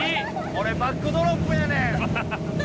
俺バックドロップやねん！